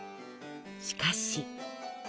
しかし。